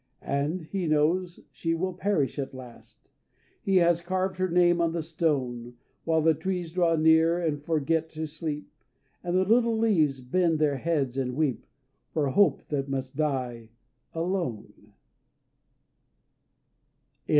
And he knows she will perish at last, He has carved her name on the stone While the trees draw near and forget to sleep, And the little leaves bend their heads and weep, For Hope that must die alone.